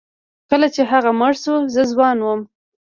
کله چې هغه مړ شو زه ځوان وم.